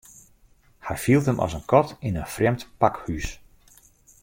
Hy fielt him as in kat yn in frjemd pakhús.